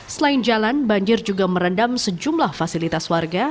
selain jalan banjir juga merendam sejumlah fasilitas warga